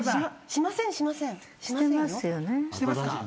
しませんしません。